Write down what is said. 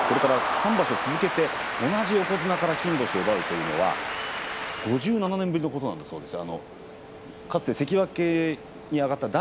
３場所続けて同じ横綱から金星を奪うというのは５７年ぶりということなんだそうです。